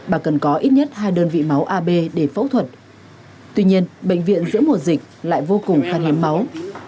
bà cần có ít nhất hai đơn vị máu ab để phẫu thuật tuy nhiên bệnh viện giữa mùa dịch lại vô cùng khăn hiếm máu